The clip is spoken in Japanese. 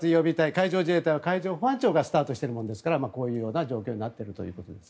海上自衛隊は海上保安庁からスタートしているわけですからこういうような状況になっているということです。